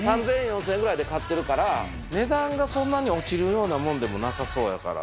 ３０００円、４０００円ぐらいで買ってるから、値段がそんなに落ちるようなもんでもなさそうやから。